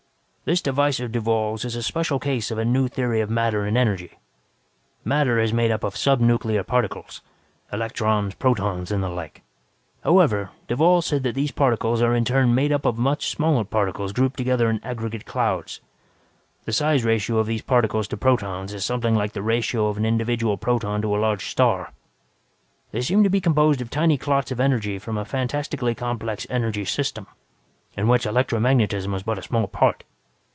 "This device of Duvall's is a special case of a new theory of matter and energy. Matter is made up of subnuclear particles electrons, protons and the like. However, Duvall said that these particles are in turn made up of much smaller particles grouped together in aggregate clouds. The size ratio of these particles to protons is somewhat like the ratio of an individual proton to a large star. They seem to be composed of tiny clots of energy from a fantastically complex energy system, in which electromagnetism is but a small part.